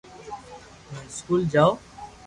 ھون اسڪول جاو